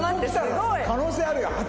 可能性あるよ。